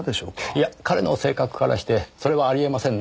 いや“彼”の性格からしてそれはあり得ませんねぇ。